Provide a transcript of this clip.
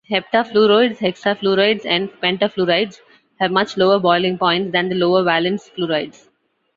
Heptafluorides, hexafluorides and pentafluorides have much lower boiling points than the lower-valence fluorides.